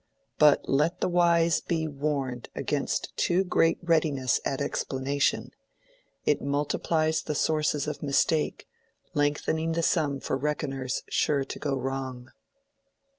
But let the wise be warned against too great readiness at explanation: it multiplies the sources of mistake, lengthening the sum for reckoners sure to go wrong.